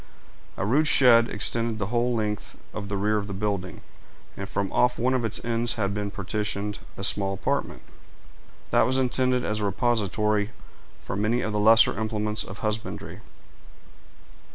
A rude shed extended the whole length of the rear of the building, and from off one of its ends had been partitioned a small apartment, that was intended as a repository for many of the lesser implements of husbandry.